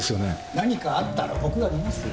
何かあったら僕が診ますよ。